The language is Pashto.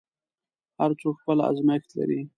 هر څوک خپل ازمېښت لري.